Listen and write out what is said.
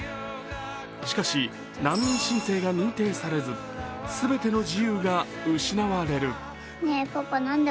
しかし難民申請が認定されず、全ての自由が失われる。